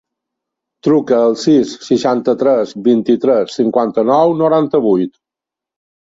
Truca al sis, seixanta-tres, vint-i-tres, cinquanta-nou, noranta-vuit.